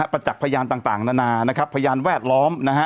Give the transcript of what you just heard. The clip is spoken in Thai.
ประจักษ์พยานต่างพยานแวดล้อม